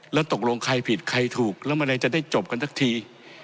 แล้วตกลงใครผิดใครถูกแล้วมันอะไรจะได้จบกันสักที